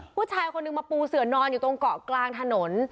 ผู้ชายคนหนึ่งมาปูเสือนอนอยู่ตรงเกาะกลางถนน